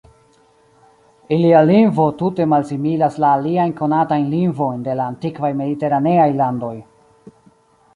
Ilia lingvo tute malsimilas la aliajn konatajn lingvojn de la antikvaj mediteraneaj landoj.